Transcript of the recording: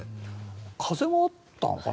風はあったのかな